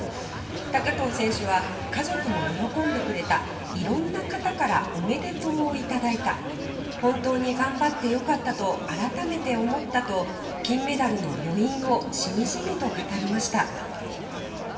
高藤選手は家族も喜んでくれた色んな方からおめでとうを頂いた本当に頑張ってよかったと改めて思ったと金メダルの余韻をしみじみと語りました。